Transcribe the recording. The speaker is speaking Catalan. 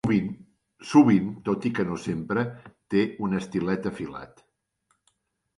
Sovint, tot i que no sempre, té un estilet afilat.